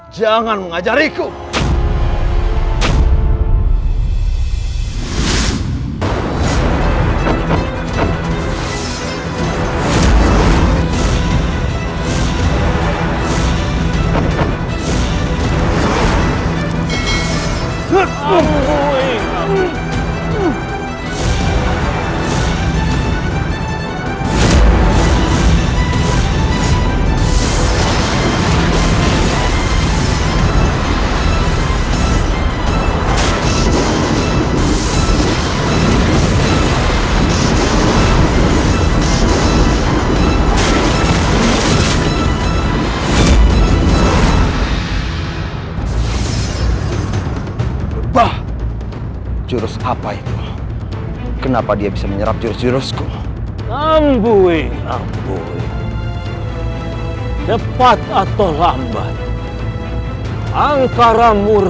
yang bertanggung jawabkannya dengan karma